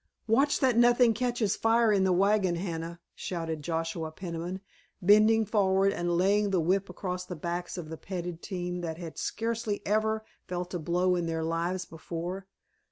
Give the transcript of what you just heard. "Watch that nothing catches fire in the wagon, Hannah," shouted Joshua Peniman, bending forward and laying the whip across the backs of the petted team that had scarcely ever felt a blow in their lives before.